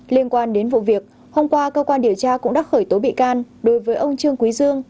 liên quan đến vụ việc hôm qua cơ quan điều tra cũng đã khởi tố bị can đối với ông trương quý dương